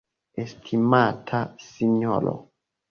Estimata Sinjoro.